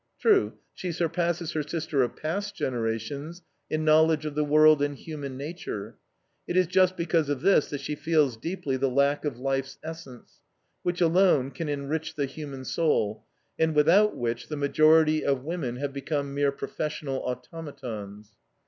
True, she surpasses her sister of past generations in knowledge of the world and human nature; it is just because of this that she feels deeply the lack of life's essence, which alone can enrich the human soul, and without which the majority of women have become mere professional automatons.